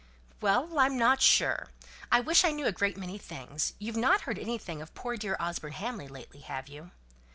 "Well, I'm not sure; I wish I knew a great many things. You've not heard anything of poor dear Osborne Hamley lately, have you?"